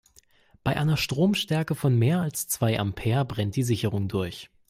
Bei einer Stromstärke von mehr als zwei Ampere brennt die Sicherung durch.